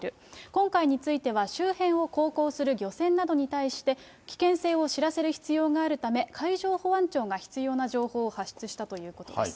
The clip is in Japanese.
今回については周辺を航行する漁船などに対して、危険性を知らせる必要があるため、海上保安庁が必要な情報を発出したということです。